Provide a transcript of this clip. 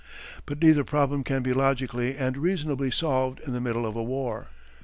But neither problem can be logically and reasonably solved in the middle of a war.